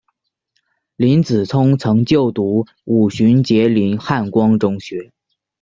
林子聪曾就读五旬节林汉光中学。